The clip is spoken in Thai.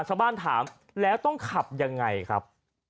ชาวบ้านถามแล้วต้องขับยังไงครับ